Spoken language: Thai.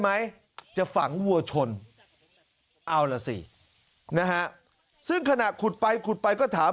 ไหมจะฝังวัวชนเอาล่ะสินะฮะซึ่งขณะขุดไปขุดไปก็ถาม